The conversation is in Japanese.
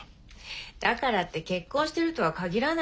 だからって結婚してるとはかぎらないでしょ。